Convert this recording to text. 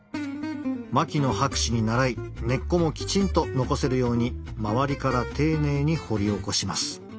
牧野博士に倣い根っこもきちんと残せるように周りから丁寧に掘り起こします。